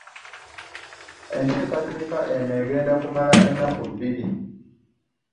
Enteekateeka eno egenda kumala ennaku bbiri